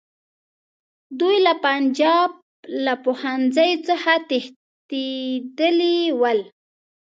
دوی له پنجاب له پوهنځیو څخه تښتېدلي ول.